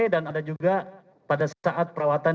dan ada juga pada saat perawatan